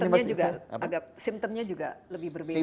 dan simptomnya juga agak simptomnya juga lebih berbeda kan